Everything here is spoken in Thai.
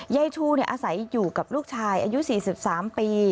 ยายชูอาศัยอยู่กับลูกชายอายุ๔๓ปี